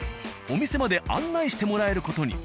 お店まで案内してもらえる事に。